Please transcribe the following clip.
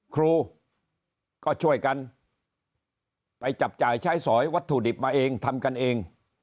ครูก็ช่วยกันไปจับจ่ายใช้สอยวัตถุดิบมาเองทำกันเอง